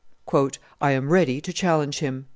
"I am ready to challenge him."